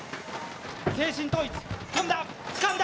精神統一、つかんだ！